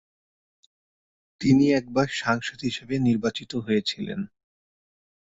তিনি একবার সাংসদ হিসেবে নির্বাচিত হয়েছিলেন।